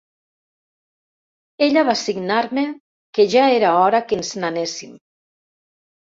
Ella va signar-me que ja era hora que ens n'anéssim.